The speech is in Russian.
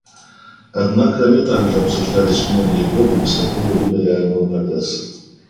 Однако они также обсуждались многие годы без какого-либо реального прогресса.